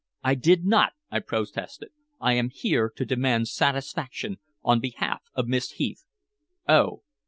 "I did not," I protested. "I am here to demand satisfaction on behalf of Miss Heath." "Oh!